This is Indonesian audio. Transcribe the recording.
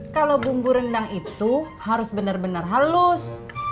kalau bumbu rendang itu harus benar benar halus